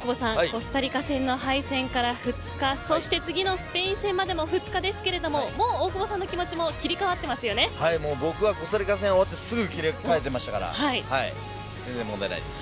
コスタリカ戦の敗戦から２日そして次のスペイン戦までも２日ですけれどももう大久保さんの気持ちも僕はコスタリカ戦終わってすぐ切り替えていましたから全然問題ないです。